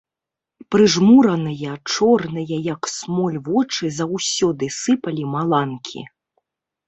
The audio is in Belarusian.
Прыжмураныя, чорныя, як смоль, вочы заўсёды сыпалі маланкі.